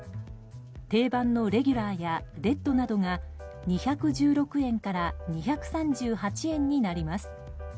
定番のレギュラーやレッドなどが２１６円から２３８円になります。